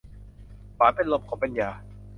หวานเป็นลม ขมเป็นยา